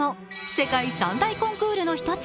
世界三大コンクールの一つ